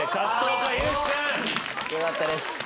よかったです。